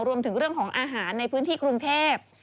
รวมถึงเรื่องของอาหารในพื้นที่กรุงเทพ